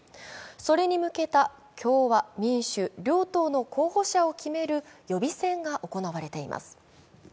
それに向けた共和、民主、両党の候補者を決める予備選が行われています。